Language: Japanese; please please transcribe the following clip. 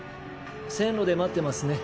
線路で待ってますね。